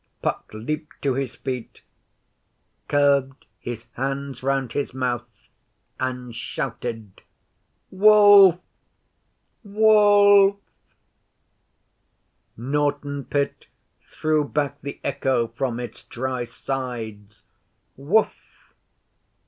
Puck leaped to his feet, curved his hands round his mouth and shouted: 'Wolf! Wolf!' Norton Pit threw back the echo from its dry sides 'Wuff!